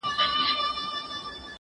دا چپنه له هغه پاکه ده!